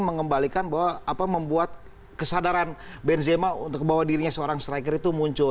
mengembalikan bahwa apa membuat kesadaran benzema untuk bawa dirinya seorang striker itu muncul